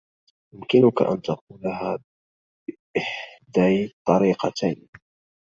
يمكنك أن تقولها باحدي الطريقتين.